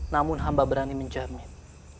namun hamba berani menjamin